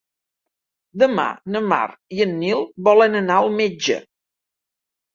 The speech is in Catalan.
Demà na Mar i en Nil volen anar al metge.